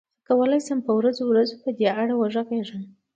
زه کولای شم په ورځو ورځو په دې اړه وغږېږم.